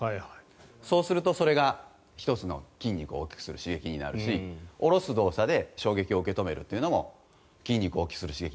そうするとそれが１つの筋肉を大きくする刺激になるし下ろす動作で衝撃を受けとめるのも筋肉を大きくする刺激。